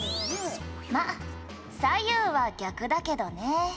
「まあ左右は逆だけどね」